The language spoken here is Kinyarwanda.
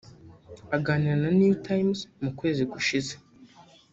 Aganira na New Times mu kwezi gushize